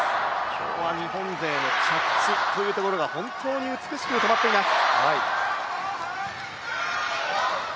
今日は日本勢、着地が本当に美しく止まっています。